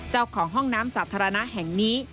เจ้าของห้องน้ำสาธารณะแห่งนี้